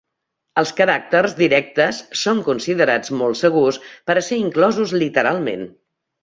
Els caràcters directes són considerats molt segurs per a ser inclosos literalment.